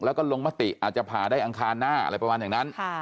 แล้วก็ลงมติอาจจะผ่าได้อังคารหน้าอะไรประมาณอย่างนั้น